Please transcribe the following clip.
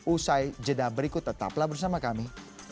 usai jeda berikut tetaplah bersama kami